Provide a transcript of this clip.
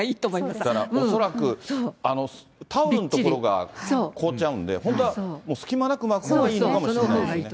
だから恐らく、タオルの所が凍っちゃうんで、本当は隙間なく巻くほうがいいのかもしれない。